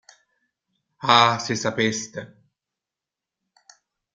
Ah, se sapeste.